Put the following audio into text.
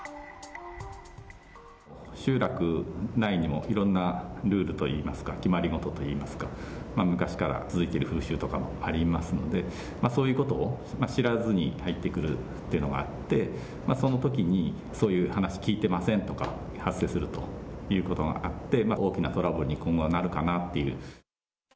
集落内にもいろんなルールといいますか、決まり事っていいますか、昔から続いてる風習とかもありますので、そういうことを知らずに入ってくるっていうのがあって、そのときに、そういう話聞いてませんとか、発生するということがあって、大きなトラブルに今後はなるかなっていう。